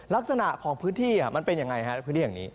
ลักษณะของพื้นที่มันเป็นอย่างไรครับพื้นที่แห่งนี้